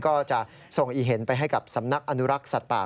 ก็จะส่งอีเห็นไปให้กับสำนักอนุรักษ์สัตว์ป่า